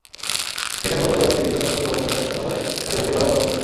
সেখানে কর্তব্যরত চিকিৎসক নতুন ভবনের ষষ্ঠ তলায় তাঁকে ভর্তি করার পরামর্শ দেন।